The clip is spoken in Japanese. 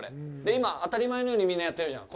今、当たり前のようにみんなやってるじゃん。